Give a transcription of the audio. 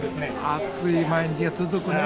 暑い毎日が続くね。